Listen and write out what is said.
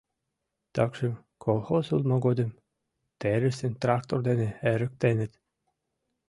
Такшым колхоз улмо годым терысым трактор дене эрыктеныт.